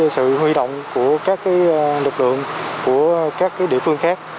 sự huy động của các lực lượng của các địa phương khác